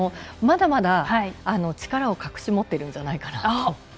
まだまだ力を隠し持っているんじゃないかなと。